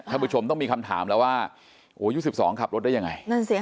ถ้าผู้ชมต้องมีคำถามแล้วว่าโหยุทธ์๑๒ขับรถได้ยังไง